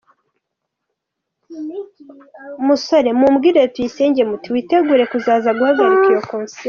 com ati” Musore mumbwirire Tuyisenge muti witeguye kuzaza guhagarika iyo concert.